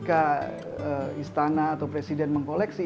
karena buat saya ketika istana atau presiden mengkoleksi